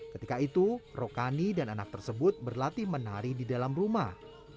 ketika itu rokani dan anak tersebut berlatih menari di dalam rumah